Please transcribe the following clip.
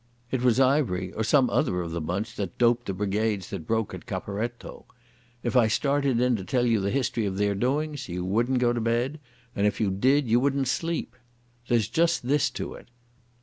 It was Ivery or some other of the bunch that doped the brigades that broke at Caporetto. If I started in to tell you the history of their doings you wouldn't go to bed, and if you did you wouldn't sleep.... There's just this to it.